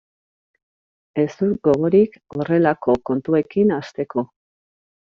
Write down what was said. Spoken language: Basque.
Ez dut gogorik horrelako kontuekin hasteko.